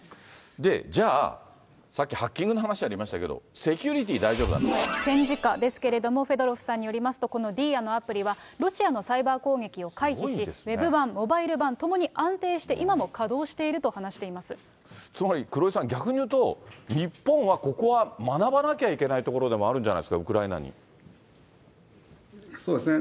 じゃあ、さっきハッキングの話ありましたけど、戦時下ですけれども、フェドロフさんによりますと、このディーアのアプリはロシアのサイバー攻撃を回避し、ウェブ版、モバイル版、ともに安定して今も稼働していると話してつまり、黒井さん、逆に言うと、日本は、ここは学ばなきゃいけないところでもあるんじゃないんですか、ウそうですね。